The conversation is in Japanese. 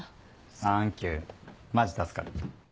サンキュマジ助かる。